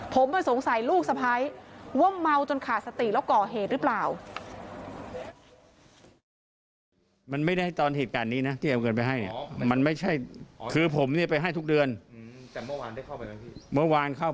ผมสงสัยลูกสะพ้ายว่าเมาจนขาดสติแล้วก่อเหตุหรือเปล่า